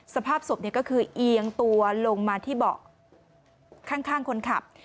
สภาพศพก็คือเอียงตัวลงมาที่เบาะข้างคนขับ